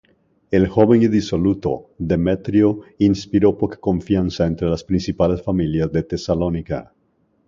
El joven y disoluto, Demetrio inspiró poca confianza entre las principales familias de Tesalónica.